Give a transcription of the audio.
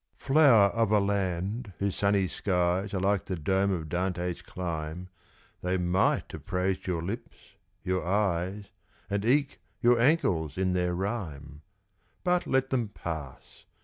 Flower of a land whose sunny skies Are like the dome of Dante's clime, They might have praised your lips, your eyes, And, eke, your ankles in their rhyme! But let them pass!